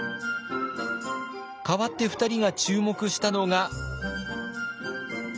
代わって２人が注目したのが。